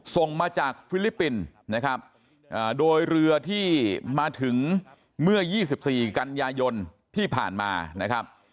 ส่งมาจากฟิลิปปินส์นะครับโดยเรือที่มาถึงเมื่อ๒๔กันยายนที่ผ่านมานะครับ